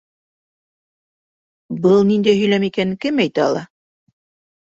Был ниндәй һөйләм икәнен кем әйтә ала?